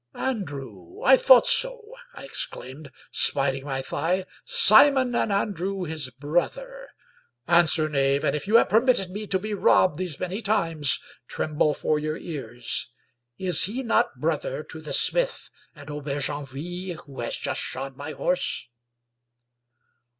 "Andrew! I thought so!" I exclaimed, smiting my thigh. " Simon and Andrew his brother! Answer, knave, and, if you have permitted me to be robbed these many times, tremble for your ears. Is he not brother to the smith at Aubergenville who has just shod my horse?"